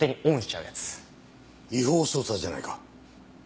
違法捜査じゃないか。